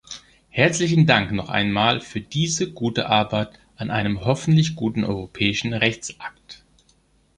Herzlichen Dank noch einmal für diese gute Arbeit an einem hoffentlich guten europäischen Rechtsakt.